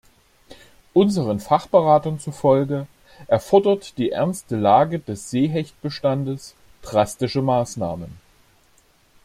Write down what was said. Unseren Fachberatern zufolge erfordert die ernste Lage des Seehechtbestandes drastische Maßnahmen.